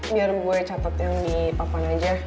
biar gue catat yang di papan aja